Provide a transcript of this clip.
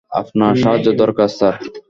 আপনার সাহায্য দরকার, স্যার।